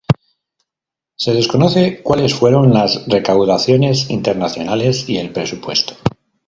Se desconoce cuales fueron las recaudaciones internacionales y el presupuesto.